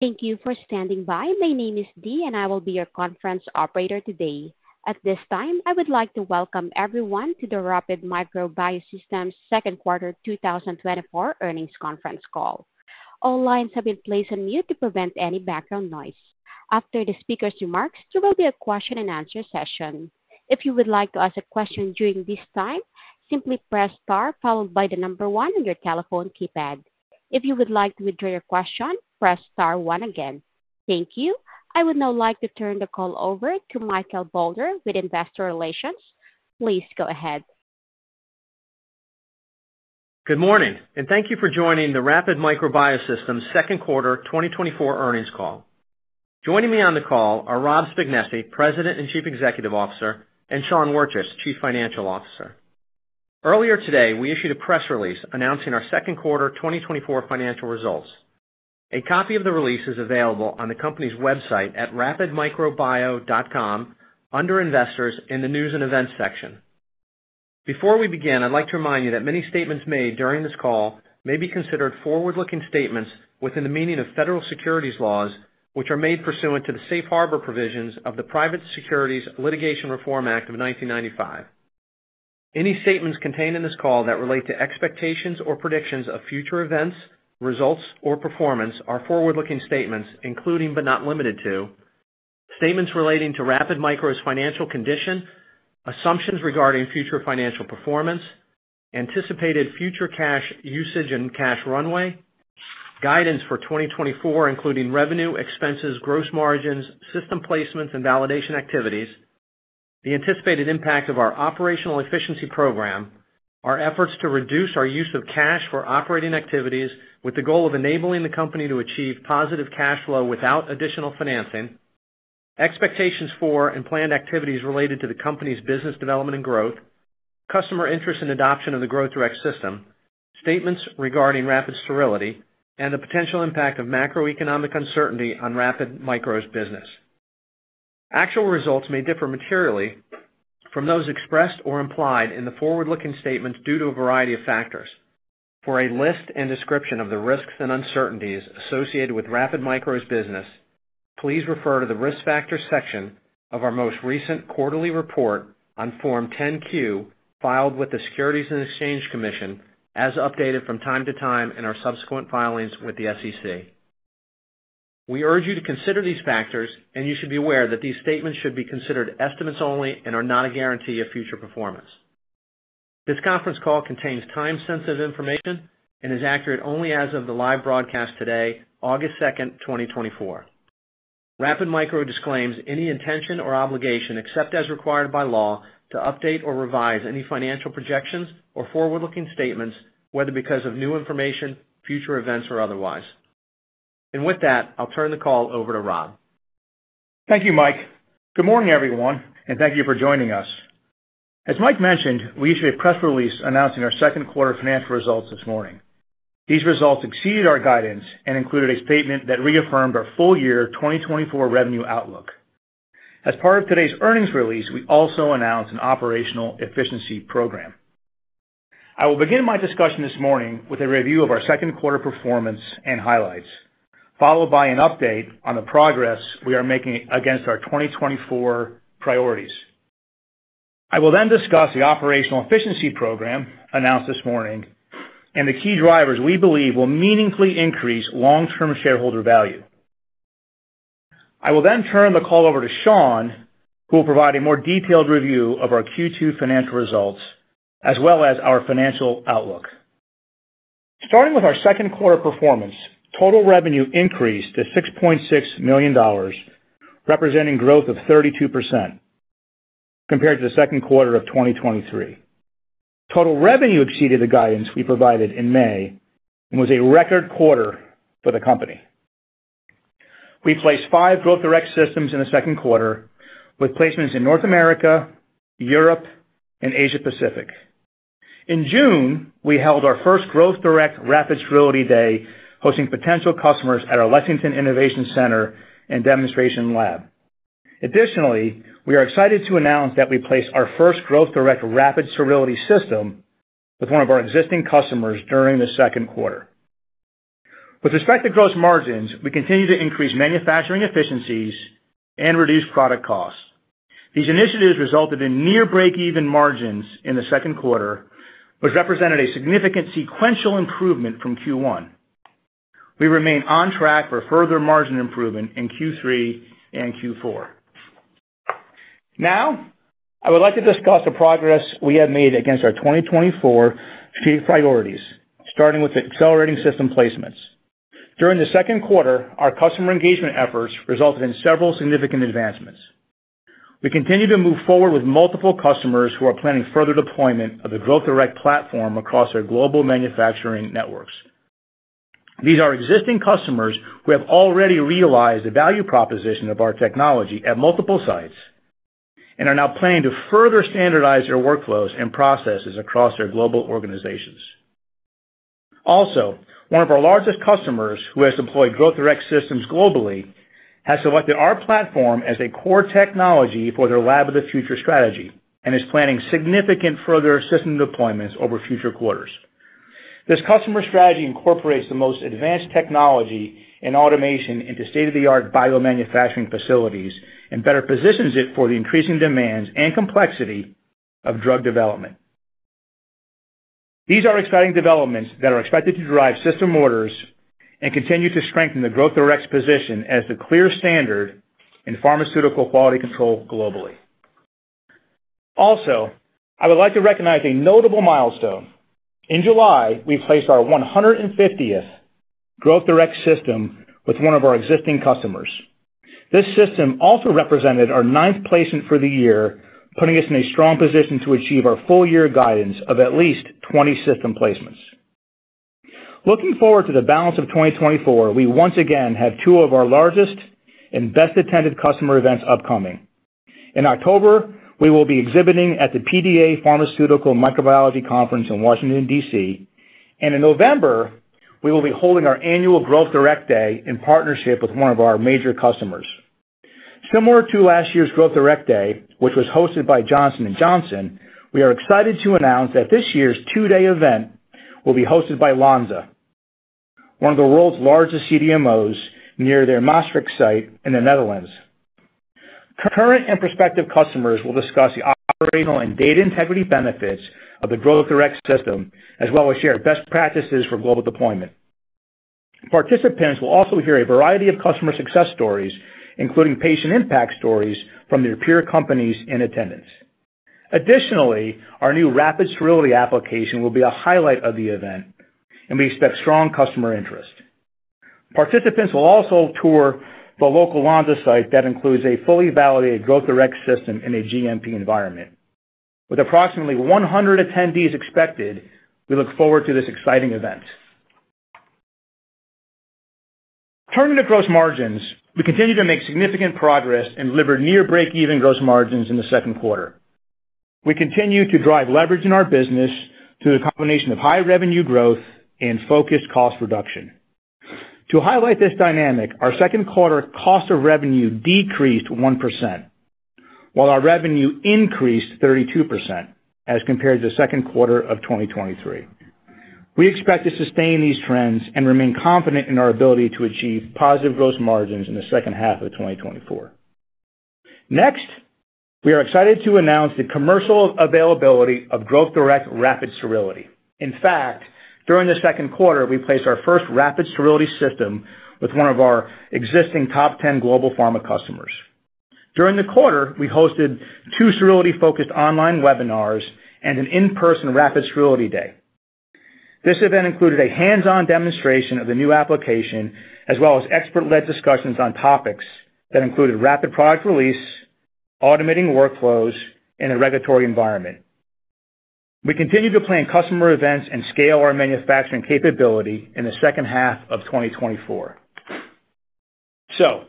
Thank you for standing by. My name is Dee, and I will be your conference operator today. At this time, I would like to welcome everyone to the Rapid Micro Biosystems second quarter 2024 earnings conference call. All lines have been placed on mute to prevent any background noise. After the speaker's remarks, there will be a question and answer session. If you would like to ask a question during this time, simply press Star followed by the number one on your telephone keypad. If you would like to withdraw your question, press star one again. Thank you. I would now like to turn the call over to Michael Beaulieu with Investor Relations. Please go ahead. Good morning, and thank you for joining the Rapid Micro Biosystems Second Quarter 2024 earnings call. Joining me on the call are Rob Spignesi, President and Chief Executive Officer, and Sean Wirtjes, Chief Financial Officer. Earlier today, we issued a press release announcing our second quarter 2024 financial results. A copy of the release is available on the company's website at rapidmicrobio.com, under Investors, in the News and Events section. Before we begin, I'd like to remind you that many statements made during this call may be considered forward-looking statements within the meaning of federal securities laws, which are made pursuant to the Safe Harbor Provisions of the Private Securities Litigation Reform Act of 1995. Any statements contained in this call that relate to expectations or predictions of future events, results, or performance are forward-looking statements, including, but not limited to, statements relating to Rapid Micro Biosystems' financial condition, assumptions regarding future financial performance, anticipated future cash usage and cash runway, guidance for 2024, including revenue, expenses, gross margins, system placements, and validation activities, the anticipated impact of our Operational Efficiency Program, our efforts to reduce our use of cash for operating activities with the goal of enabling the company to achieve positive cash flow without additional financing, expectations for and planned activities related to the company's business development and growth, customer interest and adoption of the Growth Direct system, statements regarding Rapid Sterility, and the potential impact of macroeconomic uncertainty on Rapid Micro Biosystems' business. Actual results may differ materially from those expressed or implied in the forward-looking statements due to a variety of factors. For a list and description of the risks and uncertainties associated with Rapid Micro's business, please refer to the Risk Factors section of our most recent quarterly report on Form 10-Q, filed with the Securities and Exchange Commission, as updated from time to time in our subsequent filings with the SEC. We urge you to consider these factors, and you should be aware that these statements should be considered estimates only and are not a guarantee of future performance. This conference call contains time-sensitive information and is accurate only as of the live broadcast today, August 2nd, 2024. Rapid Micro disclaims any intention or obligation, except as required by law, to update or revise any financial projections or forward-looking statements, whether because of new information, future events, or otherwise. With that, I'll turn the call over to Rob. Thank you, Mike. Good morning, everyone, and thank you for joining us. As Mike mentioned, we issued a press release announcing our second quarter financial results this morning. These results exceeded our guidance and included a statement that reaffirmed our full year 2024 revenue outlook. As part of today's earnings release, we also announced an Operational Efficiency Program. I will begin my discussion this morning with a review of our second quarter performance and highlights, followed by an update on the progress we are making against our 2024 priorities. I will then discuss the Operational Efficiency Program announced this morning and the key drivers we believe will meaningfully increase long-term shareholder value. I will then turn the call over to Sean, who will provide a more detailed review of our Q2 financial results, as well as our financial outlook. Starting with our second quarter performance, total revenue increased to $6.6 million, representing growth of 32% compared to the second quarter of 2023. Total revenue exceeded the guidance we provided in May and was a record quarter for the company. We placed five Growth Direct Systems in the second quarter, with placements in North America, Europe, and Asia Pacific. In June, we held our first Growth Direct Rapid Sterility Day, hosting potential customers at our Lexington Innovation Center and Demonstration Lab. Additionally, we are excited to announce that we placed our first Growth Direct Rapid Sterility System with one of our existing customers during the second quarter. With respect to gross margins, we continue to increase manufacturing efficiencies and reduce product costs. These initiatives resulted in near breakeven margins in the second quarter, which represented a significant sequential improvement from Q1. We remain on track for further margin improvement in Q3 and Q4. Now, I would like to discuss the progress we have made against our 2024 key priorities, starting with accelerating system placements. During the second quarter, our customer engagement efforts resulted in several significant advancements. We continue to move forward with multiple customers who are planning further deployment of the Growth Direct platform across their global manufacturing networks. These are existing customers who have already realized the value proposition of our technology at multiple sites and are now planning to further standardize their workflows and processes across their global organizations. Also, one of our largest customers, who has deployed Growth Direct Systems globally, has selected our platform as a core technology for their Lab of the Future strategy and is planning significant further system deployments over future quarters. This customer strategy incorporates the most advanced technology and automation into state-of-the-art biomanufacturing facilities and better positions it for the increasing demands and complexity of drug development. These are exciting developments that are expected to drive system orders and continue to strengthen the Growth Direct position as the clear standard in pharmaceutical quality control globally. Also, I would like to recognize a notable milestone. In July, we placed our 150th Growth Direct System with one of our existing customers. This system also represented our 9th placement for the year, putting us in a strong position to achieve our full year guidance of at least 20 system placements. Looking forward to the balance of 2024, we once again have two of our largest and best-attended customer events upcoming. In October, we will be exhibiting at the PDA Pharmaceutical Microbiology Conference in Washington, D.C. In November, we will be holding our annual Growth Direct Day in partnership with one of our major customers. Similar to last year's Growth Direct Day, which was hosted by Johnson & Johnson, we are excited to announce that this year's two-day event will be hosted by Lonza, one of the world's largest CDMOs, near their Maastricht site in the Netherlands. Current and prospective customers will discuss the operational and data integrity benefits of the Growth Direct system, as well as share best practices for global deployment. Participants will also hear a variety of customer success stories, including patient impact stories from their peer companies in attendance. Additionally, our new Rapid Sterility application will be a highlight of the event, and we expect strong customer interest. Participants will also tour the local Lonza site that includes a fully validated Growth Direct system in a GMP environment. With approximately 100 attendees expected, we look forward to this exciting event. Turning to gross margins, we continue to make significant progress and deliver near breakeven gross margins in the second quarter. We continue to drive leverage in our business through a combination of high revenue growth and focused cost reduction. To highlight this dynamic, our second quarter cost of revenue decreased 1%, while our revenue increased 32% as compared to the second quarter of 2023. We expect to sustain these trends and remain confident in our ability to achieve positive gross margins in the second half of 2024. Next, we are excited to announce the commercial availability of Growth Direct Rapid Sterility. In fact, during the second quarter, we placed our first Rapid Sterility System with one of our existing top 10 global pharma customers. During the quarter, we hosted two sterility-focused online webinars and an in-person Rapid Sterility Day. This event included a hands-on demonstration of the new application, as well as expert-led discussions on topics that included rapid product release, automating workflows, and a regulatory environment. We continue to plan customer events and scale our manufacturing capability in the second half of 2024. So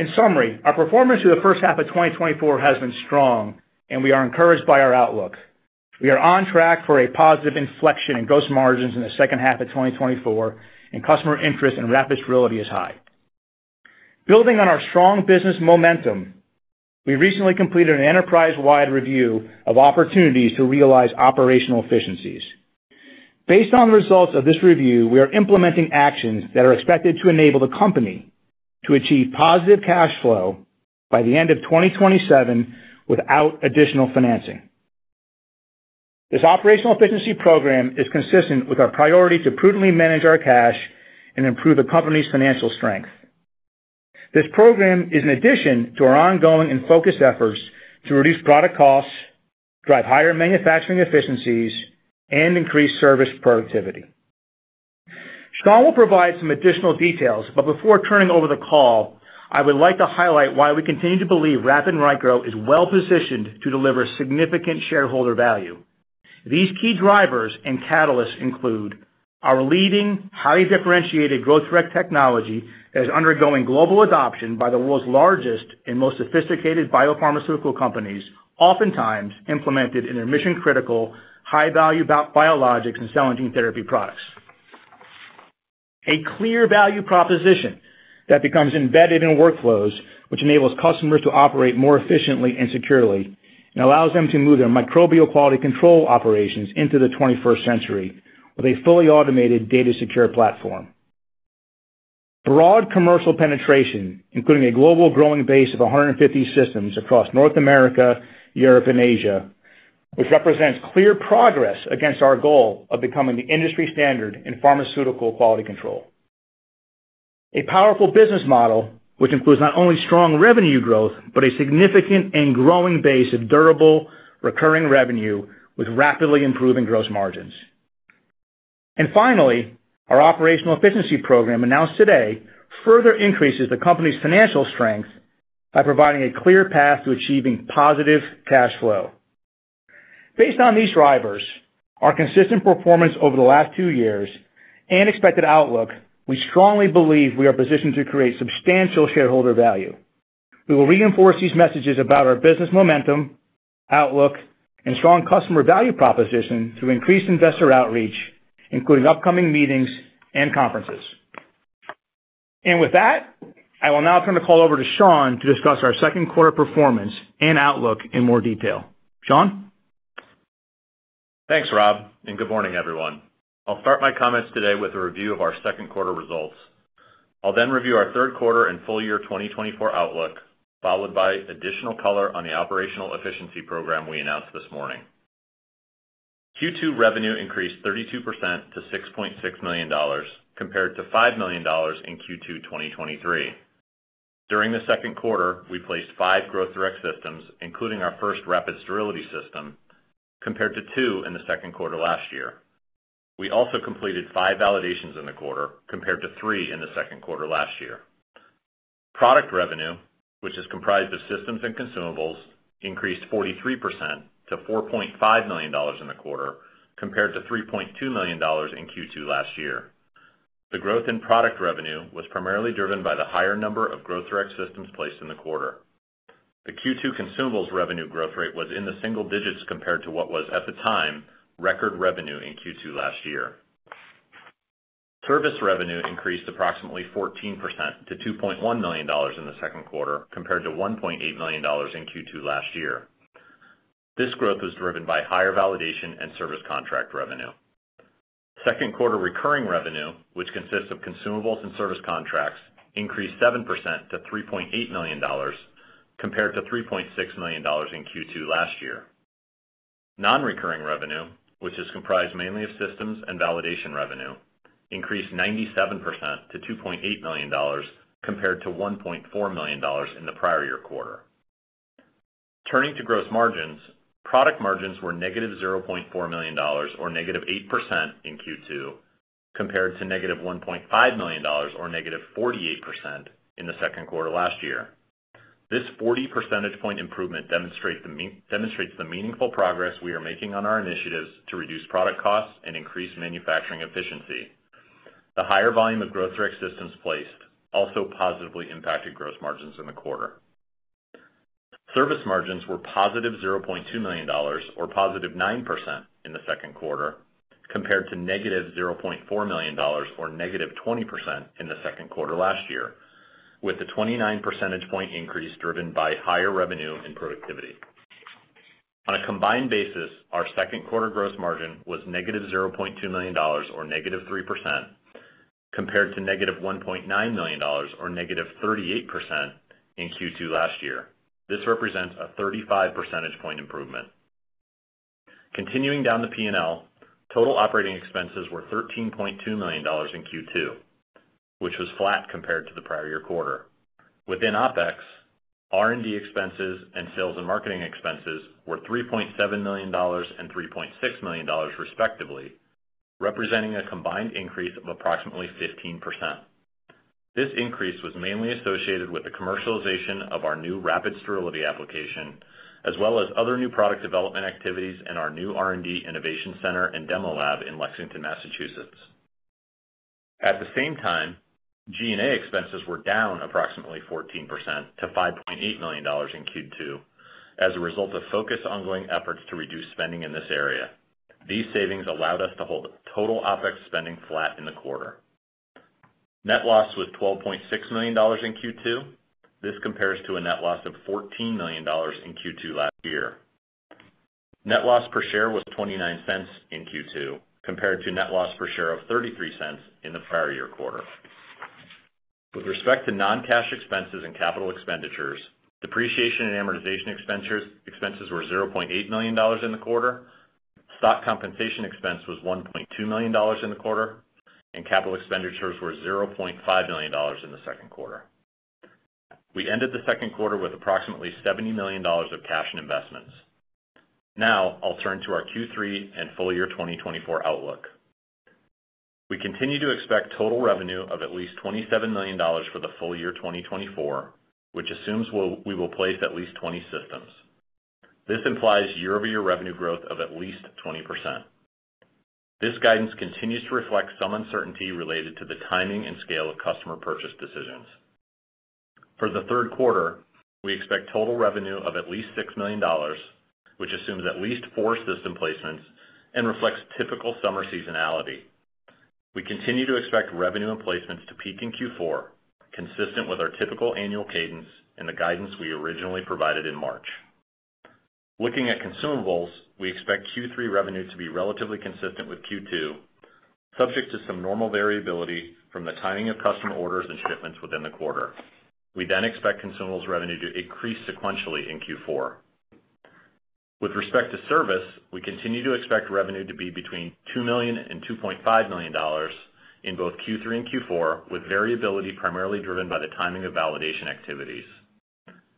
in summary, our performance through the first half of 2024 has been strong, and we are encouraged by our outlook. We are on track for a positive inflection in gross margins in the second half of 2024, and customer interest in Rapid Sterility is high. Building on our strong business momentum, we recently completed an enterprise-wide review of opportunities to realize operational efficiencies. Based on the results of this review, we are implementing actions that are expected to enable the company to achieve positive cash flow by the end of 2027 without additional financing. This Operational Efficiency Program is consistent with our priority to prudently manage our cash and improve the company's financial strength. This program is an addition to our ongoing and focused efforts to reduce product costs, drive higher manufacturing efficiencies, and increase service productivity. Sean will provide some additional details, but before turning over the call, I would like to highlight why we continue to believe Rapid Micro is well positioned to deliver significant shareholder value. These key drivers and catalysts include our leading, highly differentiated Growth Direct technology that is undergoing global adoption by the world's largest and most sophisticated biopharmaceutical companies, oftentimes implemented in their mission-critical, high-value biologics and cell and gene therapy products. A clear value proposition that becomes embedded in workflows, which enables customers to operate more efficiently and securely, and allows them to move their microbial quality control operations into the 21st century with a fully automated, data-secure platform. Broad commercial penetration, including a global growing base of 150 systems across North America, Europe, and Asia, which represents clear progress against our goal of becoming the industry standard in pharmaceutical quality control. A powerful business model, which includes not only strong revenue growth, but a significant and growing base of durable, recurring revenue with rapidly improving gross margins. Finally, our Operational Efficiency Program, announced today, further increases the company's financial strength by providing a clear path to achieving positive cash flow. Based on these drivers, our consistent performance over the last two years and expected outlook, we strongly believe we are positioned to create substantial shareholder value. We will reinforce these messages about our business momentum, outlook, and strong customer value proposition through increased investor outreach, including upcoming meetings and conferences. With that, I will now turn the call over to Sean to discuss our second quarter performance and outlook in more detail. Sean? Thanks, Rob, and good morning, everyone. I'll start my comments today with a review of our second quarter results. I'll then review our third quarter and full year 2024 outlook, followed by additional color on the Operational Efficiency Program we announced this morning. Q2 revenue increased 32% to $6.6 million, compared to $5 million in Q2 2023. During the second quarter, we placed five Growth Direct Systems, including our first Rapid Sterility System, compared to two in the second quarter last year. We also completed five validations in the quarter, compared to three in the second quarter last year. Product revenue, which is comprised of systems and consumables, increased 43% to $4.5 million in the quarter, compared to $3.2 million in Q2 last year. The growth in product revenue was primarily driven by the higher number of Growth Direct Systems placed in the quarter. The Q2 consumables revenue growth rate was in the single digits compared to what was, at the time, record revenue in Q2 last year. Service revenue increased approximately 14% to $2.1 million in the second quarter, compared to $1.8 million in Q2 last year. This growth was driven by higher validation and service contract revenue. Second quarter recurring revenue, which consists of consumables and service contracts, increased 7% to $3.8 million, compared to $3.6 million in Q2 last year. Nonrecurring revenue, which is comprised mainly of systems and validation revenue, increased 97% to $2.8 million, compared to $1.4 million in the prior year quarter. Turning to gross margins, product margins were -$0.4 million or -8% in Q2, compared to -$1.5 million, or -48% in the second quarter last year. This 40 percentage point improvement demonstrates the meaningful progress we are making on our initiatives to reduce product costs and increase manufacturing efficiency. The higher volume of Growth Direct Systems placed also positively impacted gross margins in the quarter. Service margins were $0.2 million, or 9% in the second quarter, compared to -$0.4 million, or -20% in the second quarter last year, with the 29 percentage point increase driven by higher revenue and productivity. On a combined basis, our second quarter gross margin was negative $0.2 million or negative 3%, compared to negative $1.9 million or negative 38% in Q2 last year. This represents a 35 percentage point improvement. Continuing down the P&L, total operating expenses were $13.2 million in Q2, which was flat compared to the prior year quarter. Within OpEx, R&D expenses and sales and marketing expenses were $3.7 million and $3.6 million, respectively, representing a combined increase of approximately 15%. This increase was mainly associated with the commercialization of our new Rapid Sterility application, as well as other new product development activities in our new R&D innovation center and demo lab in Lexington, Massachusetts. At the same time, G&A expenses were down approximately 14% to $5.8 million in Q2, as a result of focused ongoing efforts to reduce spending in this area. These savings allowed us to hold total OpEx spending flat in the quarter. Net loss was $12.6 million in Q2. This compares to a net loss of $14 million in Q2 last year. Net loss per share was $0.29 in Q2, compared to net loss per share of $0.33 in the prior year quarter. With respect to non-cash expenses and capital expenditures, depreciation and amortization expenses were $0.8 million in the quarter, stock compensation expense was $1.2 million in the quarter, and capital expenditures were $0.5 million in the second quarter. We ended the second quarter with approximately $70 million of cash and investments. Now I'll turn to our Q3 and full year 2024 outlook. We continue to expect total revenue of at least $27 million for the full year 2024, which assumes we'll-- we will place at least 20 systems. This implies year-over-year revenue growth of at least 20%. This guidance continues to reflect some uncertainty related to the timing and scale of customer purchase decisions. For the third quarter, we expect total revenue of at least $6 million, which assumes at least 4 system placements and reflects typical summer seasonality. We continue to expect revenue and placements to peak in Q4, consistent with our typical annual cadence and the guidance we originally provided in March. Looking at consumables, we expect Q3 revenue to be relatively consistent with Q2, subject to some normal variability from the timing of customer orders and shipments within the quarter. We then expect consumables revenue to increase sequentially in Q4. With respect to service, we continue to expect revenue to be between $2 million and $2.5 million in both Q3 and Q4, with variability primarily driven by the timing of validation activities.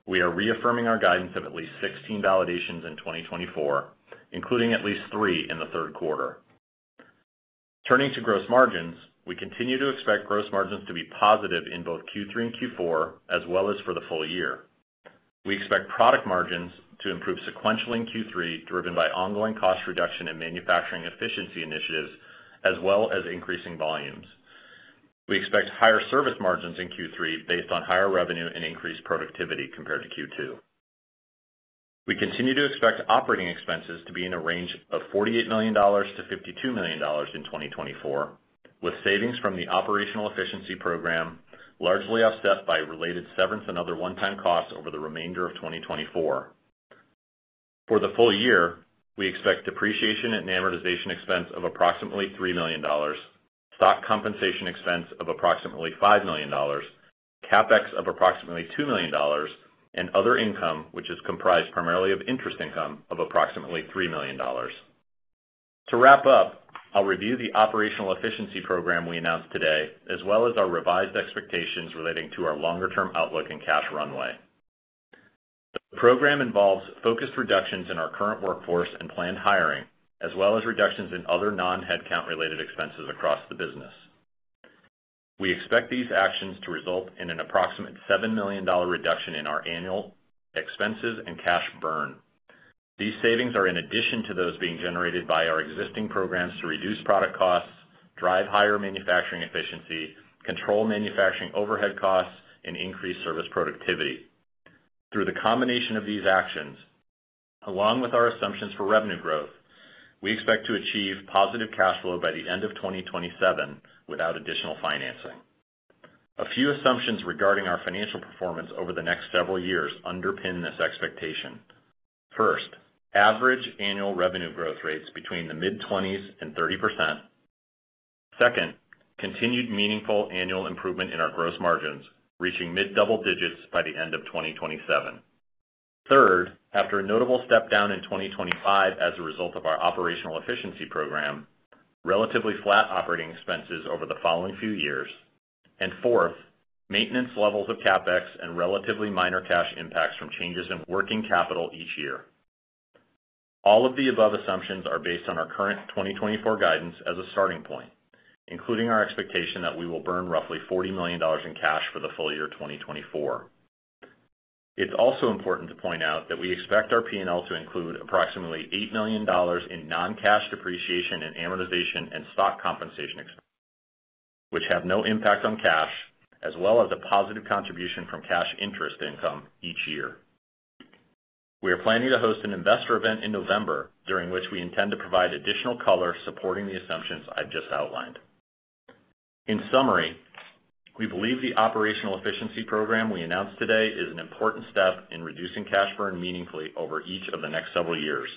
We are reaffirming our guidance of at least 16 validations in 2024, including at least three in the third quarter. Turning to gross margins, we continue to expect gross margins to be positive in both Q3 and Q4, as well as for the full year. We expect product margins to improve sequentially in Q3, driven by ongoing cost reduction and manufacturing efficiency initiatives, as well as increasing volumes. We expect higher service margins in Q3 based on higher revenue and increased productivity compared to Q2. We continue to expect operating expenses to be in a range of $48 million-$52 million in 2024, with savings from the Operational Efficiency Program, largely offset by related severance and other one-time costs over the remainder of 2024. For the full year, we expect depreciation and amortization expense of approximately $3 million, stock compensation expense of approximately $5 million, CapEx of approximately $2 million, and other income, which is comprised primarily of interest income of approximately $3 million. To wrap up, I'll review the Operational Efficiency Program we announced today, as well as our revised expectations relating to our longer-term outlook and cash runway. The program involves focused reductions in our current workforce and planned hiring, as well as reductions in other non-headcount-related expenses across the business. We expect these actions to result in an approximate $7 million reduction in our annual expenses and cash burn. These savings are in addition to those being generated by our existing programs to reduce product costs, drive higher manufacturing efficiency, control manufacturing overhead costs, and increase service productivity. Through the combination of these actions, along with our assumptions for revenue growth, we expect to achieve positive cash flow by the end of 2027 without additional financing. A few assumptions regarding our financial performance over the next several years underpin this expectation. First, average annual revenue growth rates between the mid-20s and 30%. Second, continued meaningful annual improvement in our gross margins, reaching mid-double digits by the end of 2027. Third, after a notable step down in 2025 as a result of our Operational Efficiency Program, relatively flat operating expenses over the following few years. And fourth, maintenance levels of CapEx and relatively minor cash impacts from changes in working capital each year. All of the above assumptions are based on our current 2024 guidance as a starting point, including our expectation that we will burn roughly $40 million in cash for the full year 2024. It's also important to point out that we expect our P&L to include approximately $8 million in non-cash depreciation and amortization and stock compensation expense, which have no impact on cash, as well as a positive contribution from cash interest income each year. We are planning to host an investor event in November, during which we intend to provide additional color supporting the assumptions I've just outlined. In summary, we believe the Operational Efficiency Program we announced today is an important step in reducing cash burn meaningfully over each of the next several years.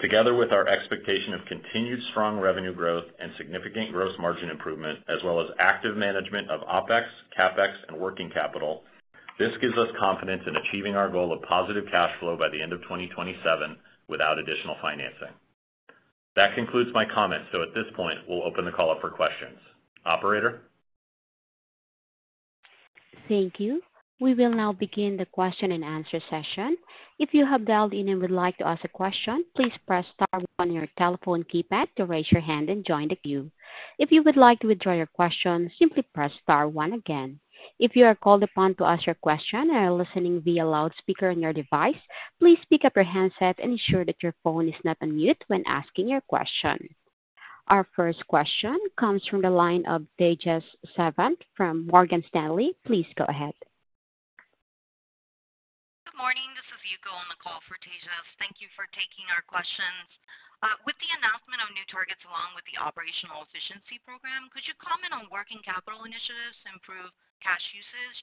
Together with our expectation of continued strong revenue growth and significant gross margin improvement, as well as active management of OpEx, CapEx, and working capital, this gives us confidence in achieving our goal of positive cash flow by the end of 2027 without additional financing. That concludes my comments. So at this point, we'll open the call up for questions. Operator? Thank you. We will now begin the question-and-answer session. If you have dialed in and would like to ask a question, please press star one on your telephone keypad to raise your hand and join the queue. If you would like to withdraw your question, simply press star one again. If you are called upon to ask your question and are listening via loudspeaker on your device, please pick up your handset and ensure that your phone is not on mute when asking your question. Our first question comes from the line of Tejas Savant from Morgan Stanley. Please go ahead. Good morning. This is Yuko on the call for Tejas. Thank you for taking our questions. With the announcement of new targets along with the Operational Efficiency Program, could you comment on working capital initiatives to improve cash usage?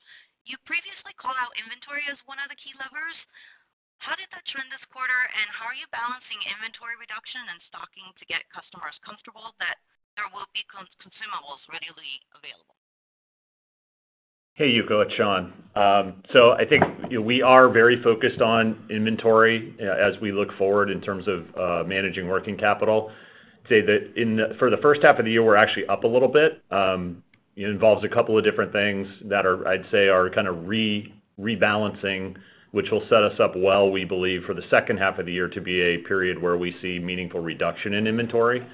You previously called out inventory as one of the key levers. How did that trend this quarter, and how are you balancing inventory reduction and stocking to get customers comfortable that there will be consumables readily available? Hey, Yuko, it's Sean. So I think we are very focused on inventory, as we look forward in terms of, managing working capital. Say that in the—for the first half of the year, we're actually up a little bit. It involves a couple of different things that are, I'd say, kind of rebalancing, which will set us up well, we believe, for the second half of the year to be a period where we see meaningful reduction in inventory.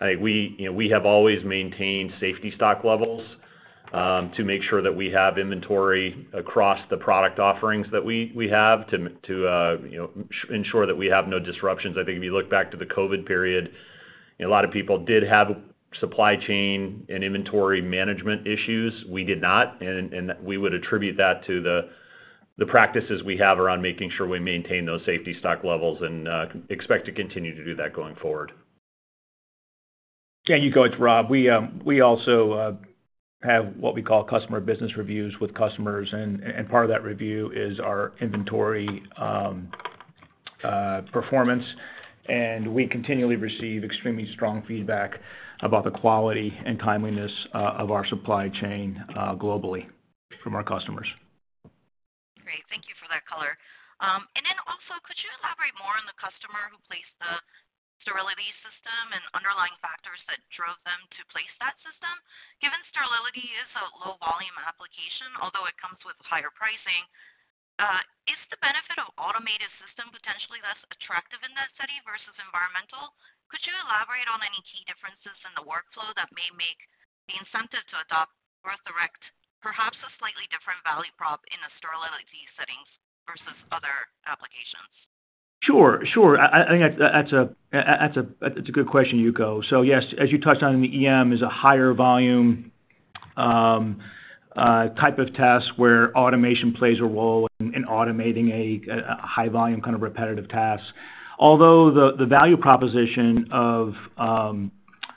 I think we, you know, we have always maintained safety stock levels, to make sure that we have inventory across the product offerings that we, we have to, you know, ensure that we have no disruptions. I think if you look back to the COVID period, a lot of people did have supply chain and inventory management issues. We did not, and we would attribute that to the practices we have around making sure we maintain those safety stock levels and expect to continue to do that going forward. Yeah, Yuko, it's Rob. We, we also have what we call customer business reviews with customers, and part of that review is our inventory performance. We continually receive extremely strong feedback about the quality and timeliness of our supply chain globally from our customers. Great. Thank you for that color. And then also, could you elaborate more on the customer who placed the sterility system and underlying factors that drove them to place that system? Given sterility is a low volume application, although it comes with higher pricing, is the benefit of automated system potentially less attractive in that setting versus environmental? Could you elaborate on any key differences in the workflow that may make the incentive to adopt Growth Direct, perhaps a slightly different value prop in a sterility setting versus other applications? Sure, sure. I, I think that's a, that's a, it's a good question, Yuko. So yes, as you touched on, the EM is a higher volume type of tests where automation plays a role in, in automating a, a high volume, kind of repetitive tasks. Although the, the value proposition of,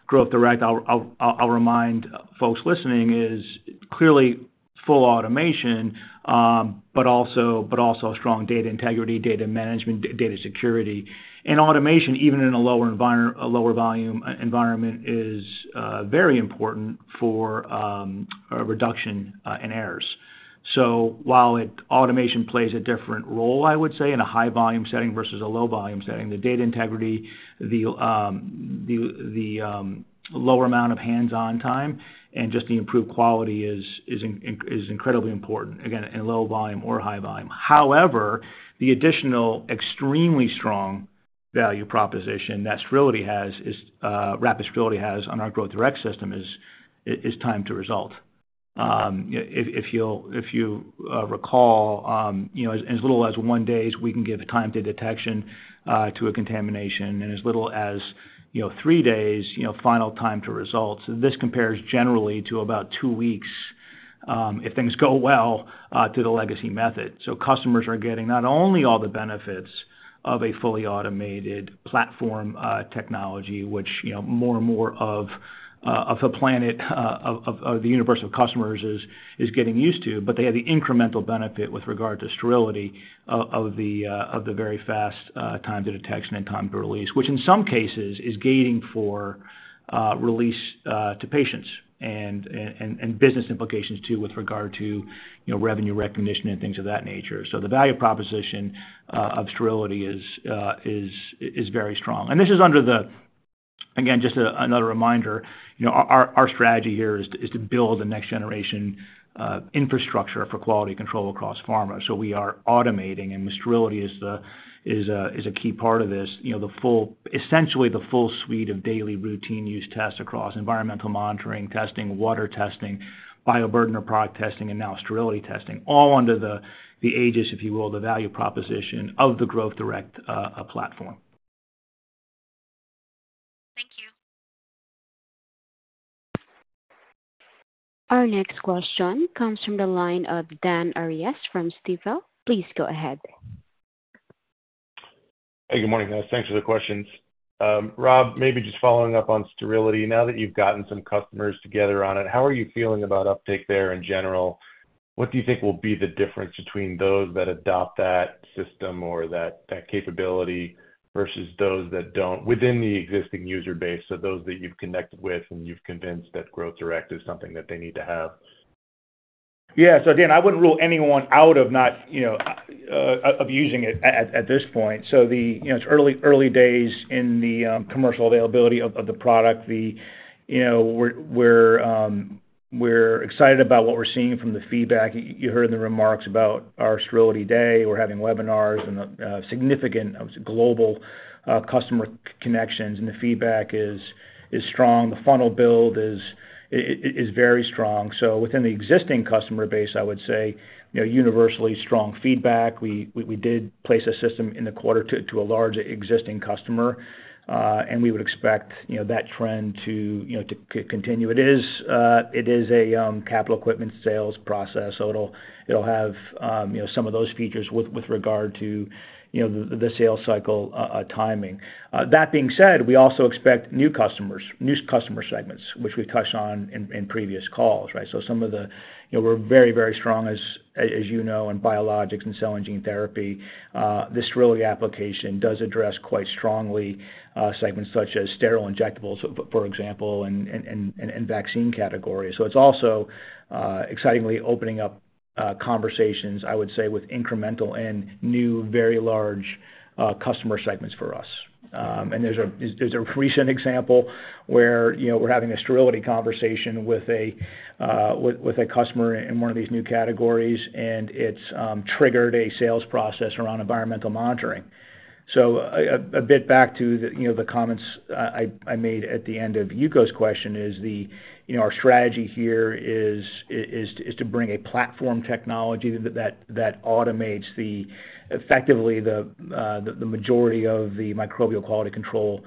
Growth Direct, I'll, I'll, I'll remind folks listening, is clearly full automation, but also, but also strong data integrity, data management, data security. And automation, even in a lower environment, a lower volume environment, is, very important for, a reduction, in errors. So while it, automation plays a different role, I would say, in a high volume setting versus a low volume setting, the data integrity, the, the, the, lower amount of hands-on time and just the improved quality is, is in- is incredibly important, again, in low volume or high volume. However, the additional extremely strong value proposition that sterility has is, Rapid Sterility has on our Growth Direct System is time to result. If you'll recall, you know, as little as one day, we can give time to detection to a contamination, and as little as, you know, three days, you know, final time to results. This compares generally to about two weeks, if things go well, to the legacy method. So customers are getting not only all the benefits of a fully automated platform, technology, which, you know, more and more of the planet of the universe of customers is getting used to, but they have the incremental benefit with regard to sterility of the very fast time to detection and time to release. Which in some cases is gating for release to patients and business implications, too, with regard to, you know, revenue recognition and things of that nature. So the value proposition of sterility is very strong. And this is under the. Again, just another reminder, you know, our strategy here is to build the next generation infrastructure for quality control across pharma. So we are automating, and sterility is a key part of this. You know, the full—essentially, the full suite of daily routine use tests across environmental monitoring, testing, water testing, bioburden or product testing, and now sterility testing, all under the auspices, if you will, the value proposition of the Growth Direct platform. Thank you. Our next question comes from the line of Dan Arias from Stifel. Please go ahead. Hey, good morning, guys. Thanks for the questions. Rob, maybe just following up on sterility. Now that you've gotten some customers together on it, how are you feeling about uptake there in general? What do you think will be the difference between those that adopt that system or that, that capability versus those that don't, within the existing user base, so those that you've connected with and you've convinced that Growth Direct is something that they need to have? Yeah. So again, I wouldn't rule anyone out of not, you know, of using it at this point. So the, you know, it's early days in the commercial availability of the product. You know, we're excited about what we're seeing from the feedback. You heard in the remarks about our sterility day. We're having webinars and significant global customer connections, and the feedback is strong. The funnel build is very strong. So within the existing customer base, I would say, you know, universally strong feedback. We did place a system in the quarter to a large existing customer, and we would expect, you know, that trend to continue. It is a capital equipment sales process, so it'll have, you know, some of those features with regard to, you know, the sales cycle, timing. That being said, we also expect new customers, new customer segments, which we touched on in previous calls, right? So some of the... You know, we're very, very strong, as you know, in biologics and cell and gene therapy. The sterility application does address quite strongly segments such as sterile injectables, for example, and vaccine categories. So it's also excitingly opening up conversations, I would say, with incremental and new, very large customer segments for us. There's a recent example where, you know, we're having a sterility conversation with a customer in one of these new categories, and it's triggered a sales process around environmental monitoring. A bit back to the comments I made at the end of Yuko's question is the, you know, our strategy here is to bring a platform technology that automates effectively the majority of the microbial quality control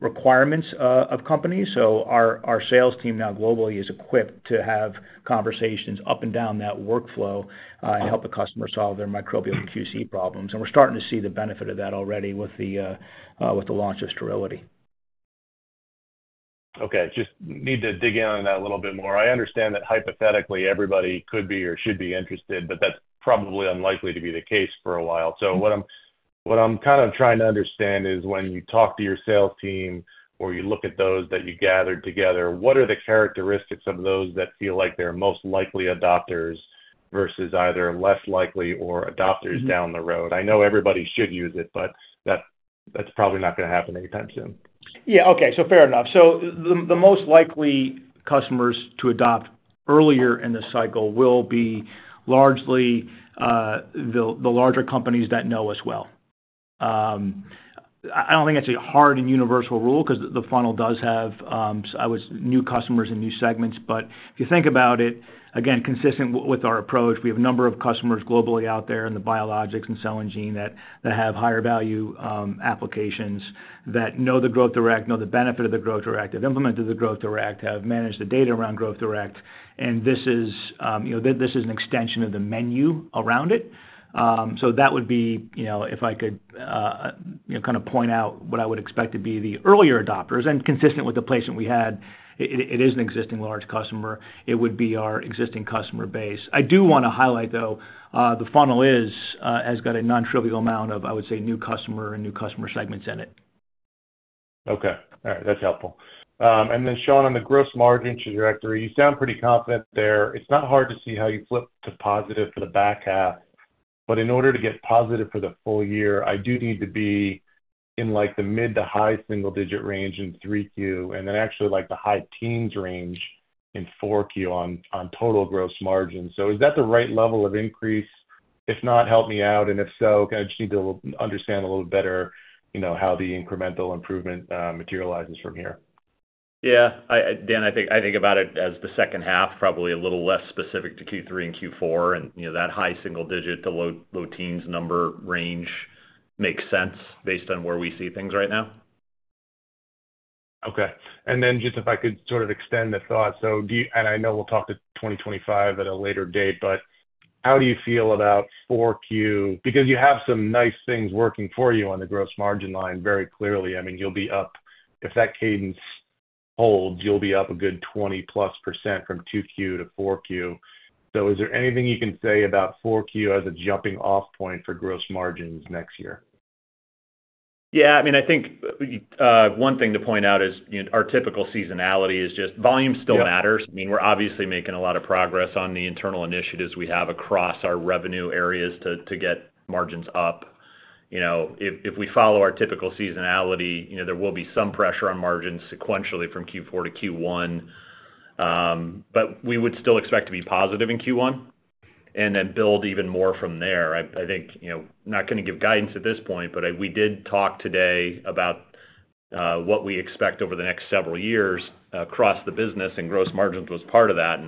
requirements of companies. Our sales team now globally is equipped to have conversations up and down that workflow and help the customer solve their microbial QC problems. We're starting to see the benefit of that already with the launch of sterility. Okay, just need to dig in on that a little bit more. I understand that hypothetically, everybody could be or should be interested, but that's probably unlikely to be the case for a while. So what I'm, what I'm kind of trying to understand is when you talk to your sales team or you look at those that you gathered together, what are the characteristics of those that feel like they're most likely adopters versus either less likely or adopters down the road? I know everybody should use it, but that- that's probably not gonna happen anytime soon. Yeah, okay, so fair enough. So the most likely customers to adopt earlier in the cycle will be largely the larger companies that know us well. I don't think it's a hard and universal rule, 'cause the funnel does have new customers and new segments. But if you think about it, again, consistent with our approach, we have a number of customers globally out there in the biologics and cell and gene that have higher value applications, that know the Growth Direct, know the benefit of the Growth Direct, have implemented the Growth Direct, have managed the data around Growth Direct. And this is, you know, this is an extension of the menu around it. So that would be, you know, if I could, you know, kind of point out what I would expect to be the earlier adopters, and consistent with the placement we had, it is an existing large customer. It would be our existing customer base. I do wanna highlight, though, the funnel has got a nontrivial amount of, I would say, new customer and new customer segments in it. Okay. All right, that's helpful. And then, Sean, on the gross margin trajectory, you sound pretty confident there. It's not hard to see how you flip to positive for the back half. But in order to get positive for the full year, I do need to be in, like, the mid- to high single-digit range in 3Q, and then actually, like, the high teens range in 4Q on, on total gross margin. So is that the right level of increase? If not, help me out, and if so, kind of just need to understand a little better, you know, how the incremental improvement materializes from here. Yeah. Dan, I think, I think about it as the second half, probably a little less specific to Q3 and Q4, and, you know, that high single digit to low, low teens number range makes sense based on where we see things right now. Okay. And then just if I could sort of extend the thought, so do you. And I know we'll talk to 2025 at a later date, but how do you feel about 4Q? Because you have some nice things working for you on the gross margin line very clearly. I mean, you'll be up. If that cadence holds, you'll be up a good 20+% from 2Q to 4Q. So is there anything you can say about 4Q as a jumping off point for gross margins next year? Yeah, I mean, I think, one thing to point out is, you know, our typical seasonality is just volume still matters. Yeah. I mean, we're obviously making a lot of progress on the internal initiatives we have across our revenue areas to get margins up. You know, if we follow our typical seasonality, you know, there will be some pressure on margins sequentially from Q4 to Q1, but we would still expect to be positive in Q1, and then build even more from there. I think, you know, not gonna give guidance at this point, but we did talk today about what we expect over the next several years across the business, and gross margins was part of that.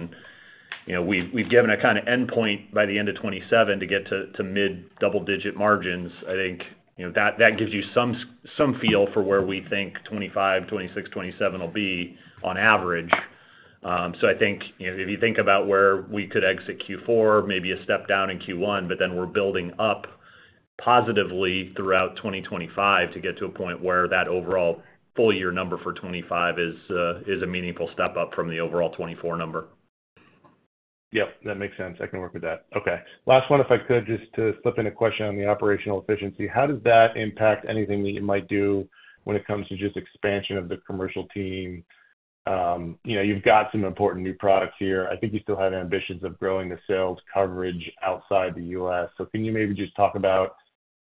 You know, we've given a kind of endpoint by the end of 2027 to get to mid double digit margins. I think, you know, that gives you some feel for where we think 2025, 2026, 2027 will be on average. So, I think, you know, if you think about where we could exit Q4, maybe a step down in Q1, but then we're building up positively throughout 2025 to get to a point where that overall full year number for 2025 is, is a meaningful step up from the overall 2024 number. Yep, that makes sense. I can work with that. Okay. Last one, if I could, just to slip in a question on the operational efficiency. How does that impact anything that you might do when it comes to just expansion of the commercial team? You know, you've got some important new products here. I think you still have ambitions of growing the sales coverage outside the U.S. So can you maybe just talk about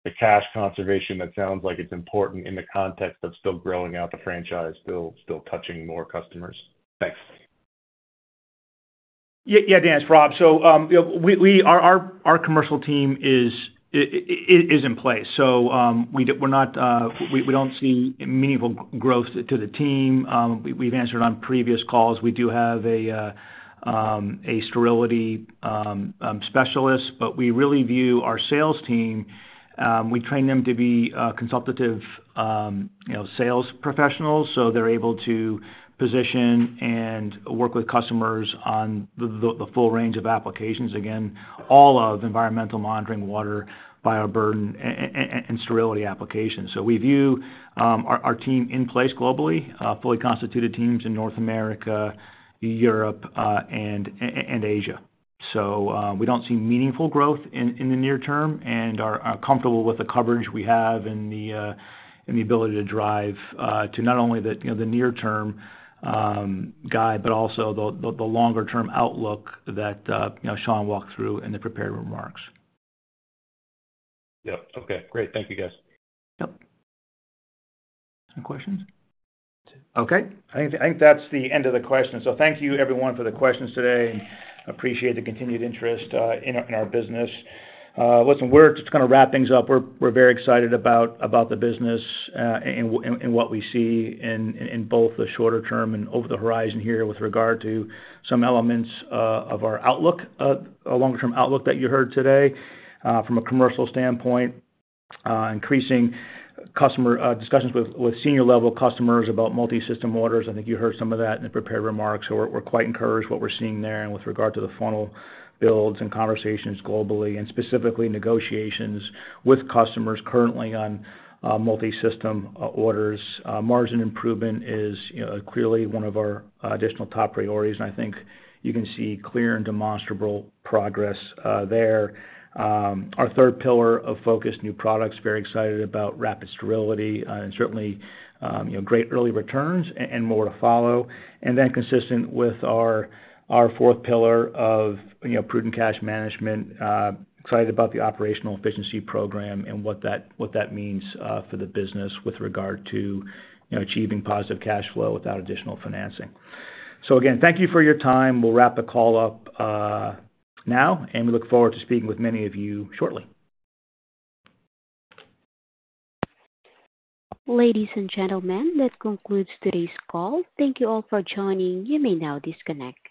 the cash conservation? That sounds like it's important in the context of still growing out the franchise, still, still touching more customers. Thanks. Yeah, yeah, Dan, it's Rob. So, you know, our commercial team is in place, so, we're not, we don't see meaningful growth to the team. We've answered on previous calls. We do have a sterility specialist, but we really view our sales team, we train them to be consultative, you know, sales professionals, so they're able to position and work with customers on the full range of applications. Again, all of environmental monitoring, water, bioburden, and sterility applications. So we view our team in place globally, fully constituted teams in North America, Europe, and Asia. We don't see meaningful growth in the near term, and are comfortable with the coverage we have and the ability to drive to not only the, you know, the near term guide, but also the longer term outlook that you know Sean walked through in the prepared remarks. Yep. Okay, great. Thank you, guys. Yep. Any questions? Okay, I think that's the end of the questions. So thank you, everyone, for the questions today. Appreciate the continued interest in our business. Listen, we're just gonna wrap things up. We're very excited about the business and what we see in both the shorter term and over the horizon here with regard to some elements of our outlook, our long-term outlook that you heard today. From a commercial standpoint, increasing customer discussions with senior-level customers about multi-system orders. I think you heard some of that in the prepared remarks. So we're quite encouraged what we're seeing there and with regard to the funnel builds and conversations globally, and specifically negotiations with customers currently on multi-system orders. Margin improvement is, you know, clearly one of our additional top priorities, and I think you can see clear and demonstrable progress there. Our third pillar of focused new products, very excited about Rapid Sterility, and certainly, you know, great early returns and more to follow. And then consistent with our fourth pillar of, you know, prudent cash management, excited about the Operational Efficiency Program and what that means for the business with regard to, you know, achieving positive cash flow without additional financing. So again, thank you for your time. We'll wrap the call up now, and we look forward to speaking with many of you shortly. Ladies and gentlemen, this concludes today's call. Thank you all for joining. You may now disconnect.